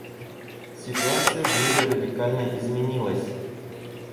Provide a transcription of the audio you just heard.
Ситуация в мире радикально изменилась.